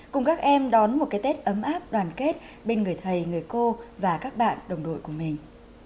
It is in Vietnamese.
cùng các em đón một cái tết ấm áp đoàn kết bên người thầy người cô và các bạn đồng đội của mình